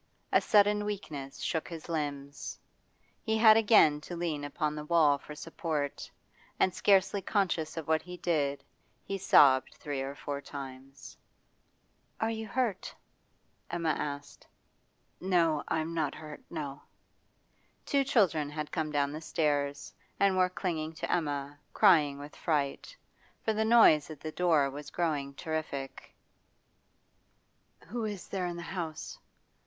A sudden weakness shook his limbs; he had again to lean upon the wall for support, and, scarcely conscious of what he did, he sobbed three or four times. 'Are you hurt?' Emma asked. 'No, I'm not hurt, no.' Two children had come down the stairs, and were clinging to Emma, crying with fright. For the noise at the door was growing terrific. 'Who is there in the house?